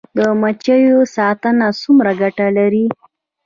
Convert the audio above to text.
د مچیو ساتنه څومره ګټه لري؟